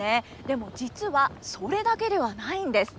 でも実はそれだけではないんです。